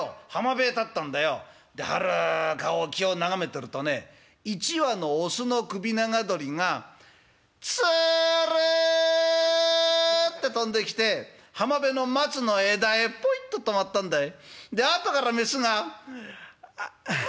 浜辺へ立ったんだよ。ではるか沖を眺めてるとね１羽のオスの首長鳥がつるって飛んできて浜辺の松の枝へポイッと止まったんだい。